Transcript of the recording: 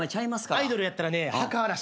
アイドルやったらね墓荒らし。